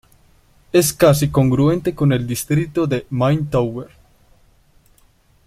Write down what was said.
Es casi congruente con el distrito de Main-Tauber.